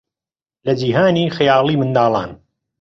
لە جیهانی خەیاڵیی منداڵان